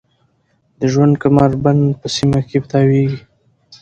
د ژوند کمربند په سیمه کې تاویږي.